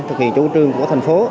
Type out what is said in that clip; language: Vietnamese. thực hiện chủ trương của thành phố